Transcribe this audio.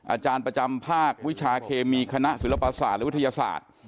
อาจารย์ประจำภาควิชาเคมีคณะศิลปศาสตร์และวิทยาศาสตร์